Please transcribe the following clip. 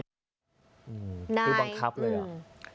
คือบังคับเลยอ่ะ